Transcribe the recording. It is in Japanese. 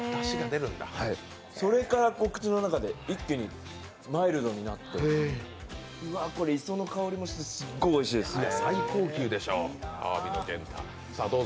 それから口の中で一気にマイルドになって、これ、磯の香りもすごいですね。